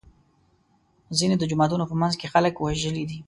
ځینې د جوماتونو په منځ کې خلک وژلي دي.